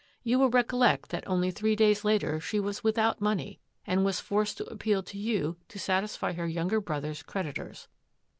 You will recollect that only three days later she was without money and was forced to appeal to you to satisfy her younger brother's creditors.